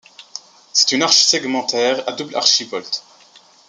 C'est une arche segmentaire à double archivolte.